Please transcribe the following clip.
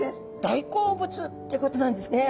大好物ってことなんですね。